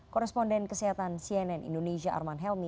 koresponden kesehatan cnn indonesia arman helmi